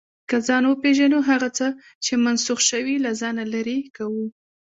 که ځان وپېژنو، هغه څه چې منسوخ شوي، له ځانه لرې کوو.